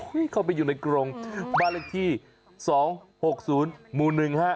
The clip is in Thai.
อุ๊ยเข้าไปอยู่ในกรงบาลักษณ์ที่๒๖๐หมู่๑๕